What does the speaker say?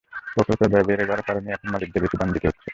প্রকল্পের ব্যয় বেড়ে যাওয়ার কারণেই এখন মালিকদের বেশি দাম দিতে হচ্ছে।